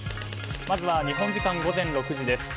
まずは日本時間午前６時です。